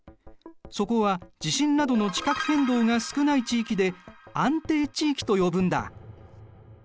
そこは地震などの地殻変動が少ない地域で安定地域と呼ぶんだ。